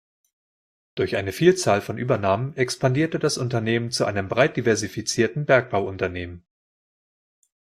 Durch eine Vielzahl von Übernahmen expandierte das Unternehmen zu einem breit diversifizierten Bergbauunternehmen.